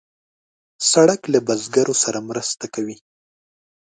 سړک له بزګرو سره مرسته کوي.